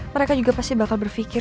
mereka juga pasti bakal berpikir